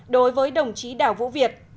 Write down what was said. đối với đồng chí đào vũ việt